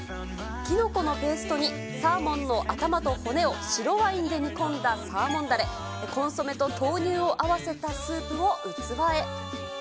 キノコのペーストに、サーモンの頭と骨を白ワインで煮込んだサーモンだれ、コンソメと豆乳を合わせたスープを器へ。